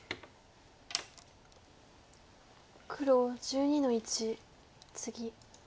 黒１２の一ツギ。